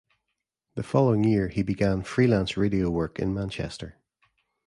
The following year he began freelance radio work in Manchester.